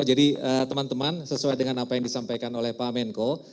jadi teman teman sesuai dengan apa yang disampaikan oleh pak menko